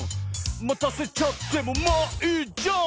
「またせちゃってもまあいいじゃん！」